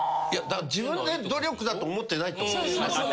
自分で努力だと思ってないってこと。